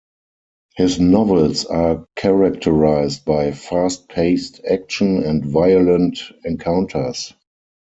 His novels are characterized by fast-paced action and violent encounters.